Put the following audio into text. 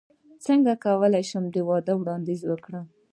څنګه کولی شم د واده وړاندیز وکړم